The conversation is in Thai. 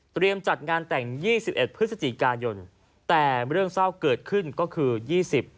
จัดงานแต่งยี่สิบเอ็ดพฤศจิกายนแต่เรื่องเศร้าเกิดขึ้นก็คือยี่สิบ